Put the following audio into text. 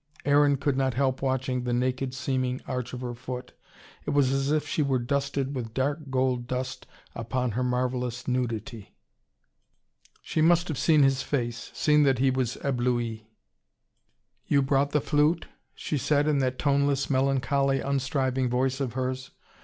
Aaron could not help watching the naked seeming arch of her foot. It was as if she were dusted with dark gold dust upon her marvellous nudity. She must have seen his face, seen that he was ebloui. "You brought the flute?" she said, in that toneless, melancholy, unstriving voice of hers.